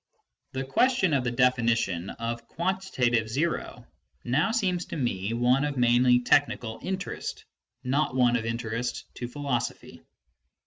The question of the definition of the quantitative zero now seems to me one of mainly technical interest, not one of interest to philosophy.